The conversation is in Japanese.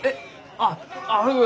あっああ